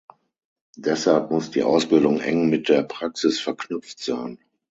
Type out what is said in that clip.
Deshalb muss die Ausbildung eng mit der Praxis verknüpft sein.